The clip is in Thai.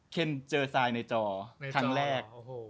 เคนเจอทรายในจอครั้งแรก